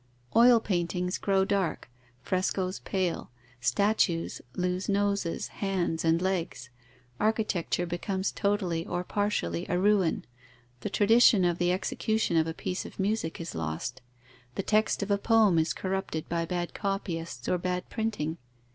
Oil paintings grow dark, frescoes pale, statues lose noses, hands, and legs, architecture becomes totally or partially a ruin, the tradition of the execution of a piece of music is lost, the text of a poem is corrupted by bad copyists or bad printing.